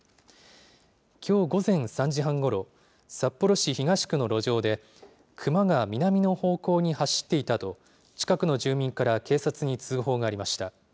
きょう午前３時半ごろ、札幌市東区の路上で、熊が南の方向に走っていたと、近くの住民から警察に通報がありました。